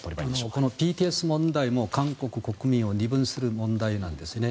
このＢＴＳ問題も韓国国民を二分する問題なんですよね。